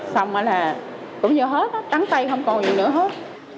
xong rồi là cũng như hết trắng tay không còn gì nữa hết